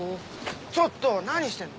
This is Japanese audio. ちょっと何してんの！